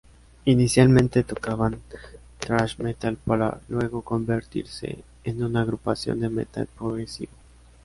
Inicialmente tocaban thrash metal, para luego convertirse en una agrupación de metal progresivo.